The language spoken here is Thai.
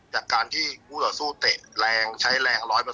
จากการที่คู่ต่อสู้เตะแรงใช้แรง๑๐๐